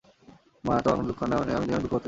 মা, আমার কোনো দুঃখ নেই– আমি কেন দুঃখ করতে যাব?